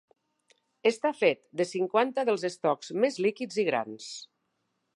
Està fet de cinquanta dels estocs més líquids i grans.